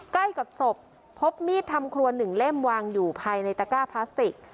ใกล้กับศพพบมีดทำครัว๑เล่มวางอยู่ภายในตะก้าพลาสติก